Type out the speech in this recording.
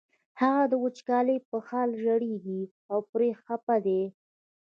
هغه د وچکالۍ په حال ژړېږي او پرې خپه دی.